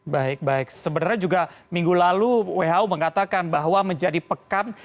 baik baik sebenarnya juga minggu lalu who mengatakan bahwa menjadi pekan